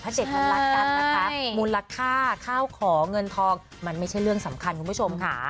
ถ้าเจ็ดธรรมท์รัดกันนะคะมูลค่าค่าของเงินทองมันไม่ใช่เรื่องสำคัญคุณผู้ชมขา